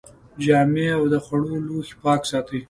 جامې او د خوړو لوښي پاک ساتئ.